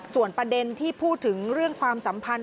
ส่วนประเด็นที่พูดถึงเรื่องความสัมพันธ